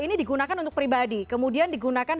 ini digunakan untuk pribadi kemudian digunakan